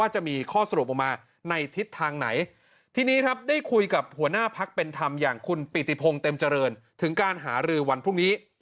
จริงถึงการหารือวันพรุ่งนี้